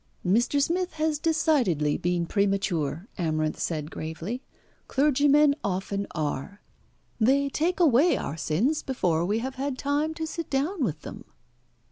"Mr. Smith has decidedly been premature," Amarinth said gravely. "Clergymen often are. They take away our sins before we have had time to sit down with them.